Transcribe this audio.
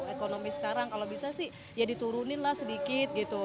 ekonomi sekarang kalau bisa sih ya dituruninlah sedikit gitu